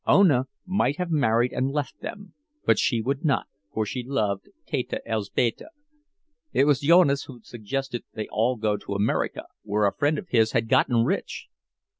Ona might have married and left them, but she would not, for she loved Teta Elzbieta. It was Jonas who suggested that they all go to America, where a friend of his had gotten rich.